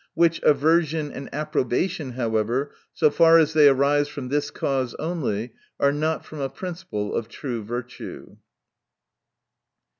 Which aversion and approbation, however, so far as they arise from this cause only, are not from a principle of true virtue.